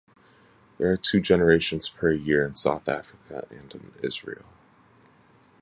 There are two generations per year in South Africa and in Israel.